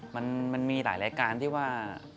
มันมีหลายรายการที่ว่า